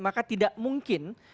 maka tidak mungkin